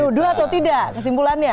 nuduh atau tidak kesimpulannya